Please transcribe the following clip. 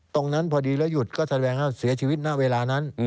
ตรงนั้นพอดีแล้วหยุดก็แสดงว่าเสียชีวิตณเวลานั้น